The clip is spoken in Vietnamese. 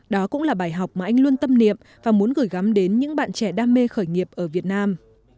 đó cũng là bài học mà anh luôn tâm niệm và muốn gửi gắm đến những bạn trẻ đam mê khởi nghiệp ở việt nam